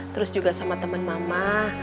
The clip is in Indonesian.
terus juga sama teman mama